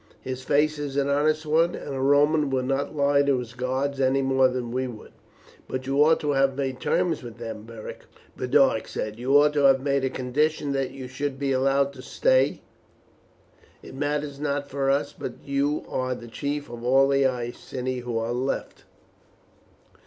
His face is an honest one, and a Roman would not lie to his gods any more than we would." "But you ought to have made terms with them, Beric," Boduoc said. "You ought to have made a condition that you should be allowed to stay. It matters not for us, but you are the chief of all the Iceni who are left."